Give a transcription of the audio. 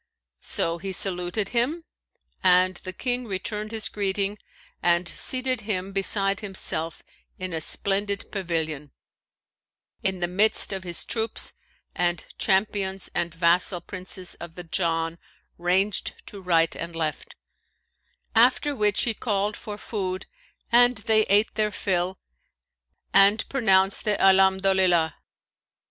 So he saluted him, and the King returned his greeting and seated him beside himself in a splendid pavilion, in the midst of his troops and champions and vassal Princes of the Jann ranged to right and left; after which he called for food and they ate their fill and pronounced the Alhamdolillah.